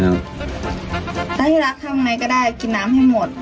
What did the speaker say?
แล้วที่รักจะทำยังไงก็ได้กินน้ำให้หมด